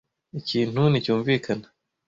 Ikintu nticyumvikana.